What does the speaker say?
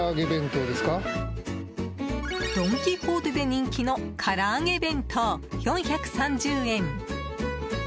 ドン・キホーテで人気の唐揚弁当、４３０円。